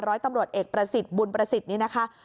ร้อยตำรวจเอกประสิทธิ์บุญประสิทธิ์นี้นะคะ